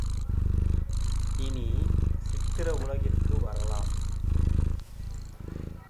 இனி, சித்திர உலகிற்கு வரலாம்.